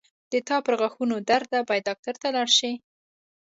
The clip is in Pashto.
د تا پرغاښونو درد ده باید ډاکټر ته لاړ شې